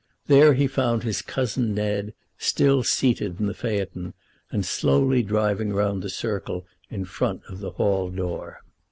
There he found his cousin Ned still seated in the phaeton, and slowly driving round the circle in front of the hall door.